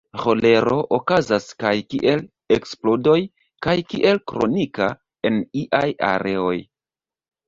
Ĥolero okazas kaj kiel eksplodoj kaj kiel kronika en iaj areoj.